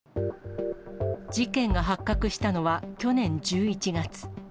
事件が発覚したのは、去年１１月。